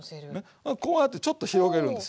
こうやってちょっと広げるんですよ。